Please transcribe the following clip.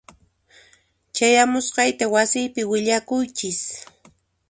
Chayamusqayta wasipi willakuychis.